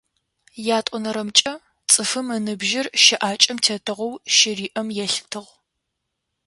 Ятӏонэрэмкӏэ, цӏыфым ыныбжьыр щыӏакӏэм тетыгъоу щыриӏэм елъытыгъ.